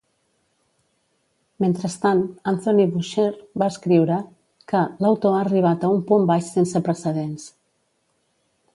Mentrestant, Anthony Boucher va escriure que "l'autor ha arribat a un punt baix sense precedents".